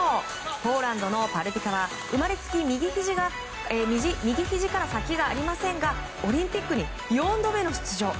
ポーランドのパルティカは生まれつき右ひじから先がありませんがオリンピックに４度目の出場。